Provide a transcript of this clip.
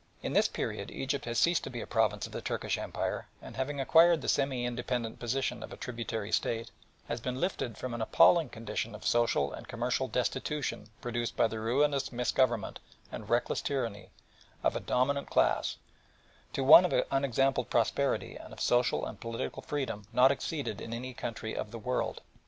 In this period Egypt has ceased to be a province of the Turkish Empire, and having acquired the semi independent position of a tributary State, has been lifted from an appalling condition of social and commercial destitution produced by the ruinous misgovernment and reckless tyranny of a dominant class, to one of unexampled prosperity and of social and political freedom not exceeded in any country of the world.